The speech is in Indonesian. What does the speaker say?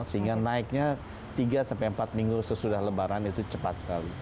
karena naiknya tiga empat minggu sesudah lebaran itu cepat sekali